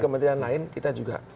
kementerian lain kita juga